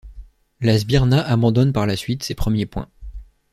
La Sbirna abandonne par la suite ses premiers points.